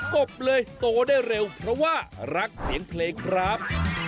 บเลยโตได้เร็วเพราะว่ารักเสียงเพลงครับ